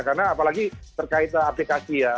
karena apalagi terkait aplikasi ya